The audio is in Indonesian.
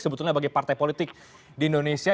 sebetulnya bagi partai politik di indonesia